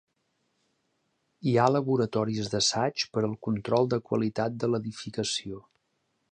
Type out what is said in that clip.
Hi ha laboratoris d'assaig per al control de qualitat de l'edificació.